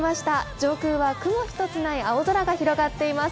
上空は雲一つない青空が広がっています。